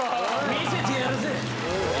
みせてやるぜ